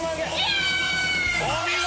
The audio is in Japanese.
お見事！